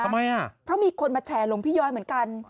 ทำไมอ่ะเพราะมีคนมาแชร์หลวงพี่ย้อยเหมือนกัน